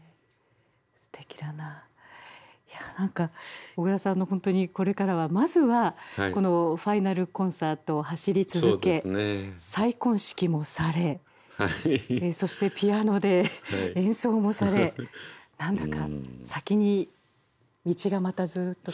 いや何か小椋さんの本当にこれからはまずはこのファイナル・コンサートを走り続け再婚式もされそしてピアノで演奏もされ何だか先に道がまたずっと続いてますね。